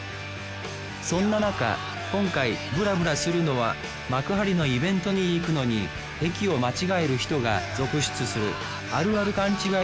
そんななか今回ブラブラするのは幕張のイベントに行くのに駅を間違える人が続出するあるある勘違い